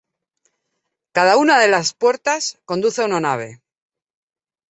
Cada una de las puertas conduce a una nave.